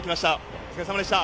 お疲れさまでした。